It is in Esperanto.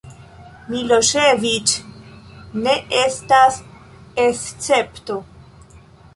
Miloŝeviĉ ne estas escepto.